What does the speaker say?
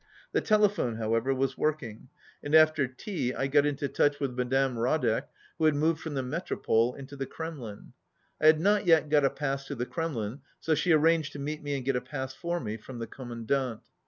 The telephone, however, was working, and after 30 tea I got into touch with Madame Radek, who had moved from the Metropole into the Kremlin. I had not yet got a pass to the Kremlin, so she arranged to meet me and get a pass for me from the Commandant.